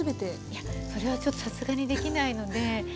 いやそれはちょっとさすがにできないので。